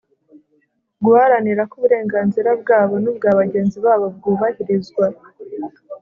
guharanira ko uburenganzira bwabo n'ubwa bagenzi babo bwubahirizwa